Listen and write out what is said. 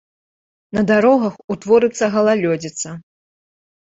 На дарогах утворыцца галалёдзіца.